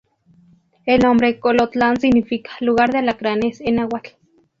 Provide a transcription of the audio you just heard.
El nombre Colotlán significa "lugar de alacranes" en Náhuatl.